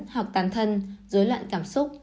hoặc tàn thân dối loạn cảm xúc